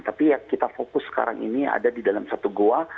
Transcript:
tapi ya kita fokus sekarang ini ada di dalam satu goa